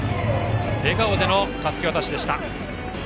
笑顔でのたすき渡しでした。